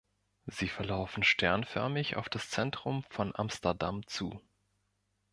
Sie verlaufen sternförmig auf das Zentrum von Amsterdam zu.